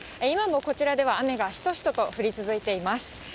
今もこちらでは雨がしとしとと降り続いています。